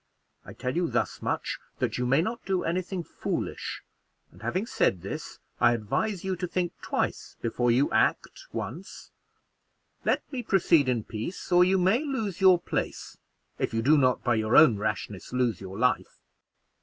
I tell you thus much, that you may not do any thing foolish; and having said this, I advise you to think twice before you act once. Let me proceed in peace, or you may lose your place, if you do not, by your own rashness, lose your life."